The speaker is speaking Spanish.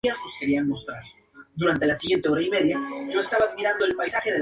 El doctor Siles Suazo se asiló en la Nunciatura, ese mismo día.